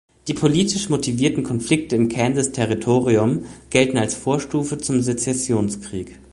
Die politisch motivierten Konflikte im Kansas-Territorium gelten als Vorstufe zum Sezessionskrieg.